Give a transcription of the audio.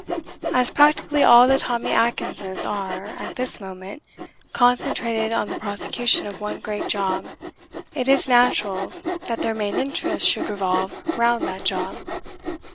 As practically all the Tommy Atkinses are, at this moment, concentrated on the prosecution of one great job, it is natural that their main interests should revolve round that job.